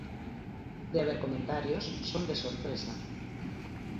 De haber comentarios, son de sorpresa.